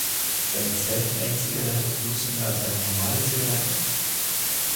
Ist eine self made -Zigarette ungesünder als eine normale Zigarette?